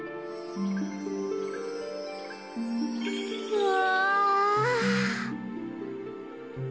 うわ。